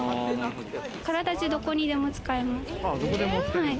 体中どこにでも使えます。